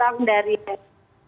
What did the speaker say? ya selamat siang